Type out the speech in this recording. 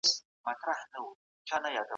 د مسوولیت احساس ولرئ.